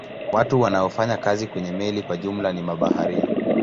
Watu wanaofanya kazi kwenye meli kwa jumla ni mabaharia.